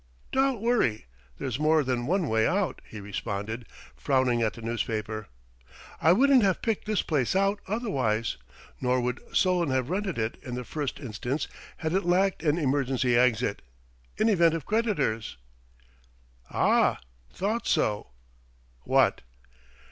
"Don't worry: there's more than one way out," he responded, frowning at the newspaper; "I wouldn't have picked this place out, otherwise. Nor would Solon have rented it in the first instance had it lacked an emergency exit, in event of creditors.... Ah thought so!" "What